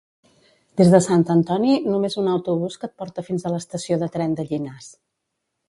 Des de Sant Antoni només un autobús que et porta fins a l'estació de tren de Llinars